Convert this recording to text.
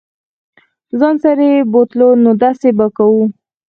ځان سره یې بوتلو نو داسې به کوو.